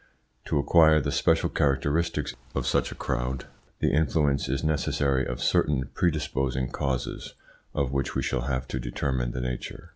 To acquire the special characteristics of such a crowd, the influence is necessary of certain predisposing causes of which we shall have to determine the nature.